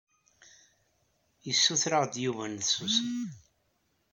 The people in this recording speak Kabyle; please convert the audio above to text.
Yessuter-aɣ-d Yuba ad nsusem.